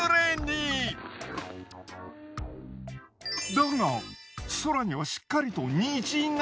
だが空にはしっかりと虹が。